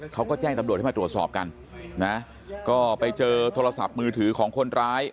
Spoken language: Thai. เขาก็แจ้งตำรวจให้มาตรวจสอบกันนะก็ไปเจอโทรศัพท์มือถือของคนร้าย